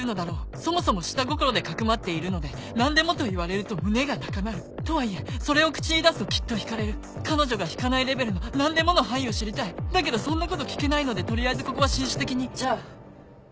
そもそも下心で匿っているので「何でも」と言われると胸が高鳴るとはいえそれを口に出すときっと引かれる彼女が引かないレベルの「何でも」の範囲を知りたいだけどそんなこと聞けないので取りあえずここは紳士的にじゃあ。